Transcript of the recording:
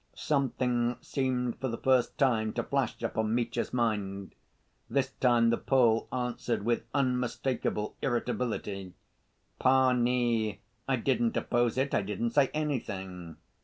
Something seemed for the first time to flash upon Mitya's mind. This time the Pole answered with unmistakable irritability. "Pani, I didn't oppose it. I didn't say anything."